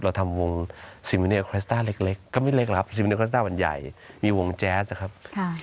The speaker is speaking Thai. เราทำวงเล็กเล็กก็ไม่เล็กแล้วครับวันใหญ่มีวงแจ๊สนะครับค่ะ